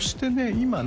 今ね